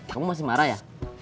kamu masih marah ya